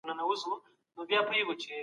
که ټولنیز عدالت نه وي اقتصاد هم زیان ویني.